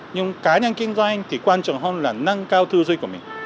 nhưng cá nhân kinh doanh thì quan trọng hơn là nâng cao thư duy của mình